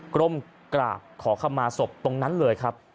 ก้มกราบขอขมาศพตรงนั้นเลยครับ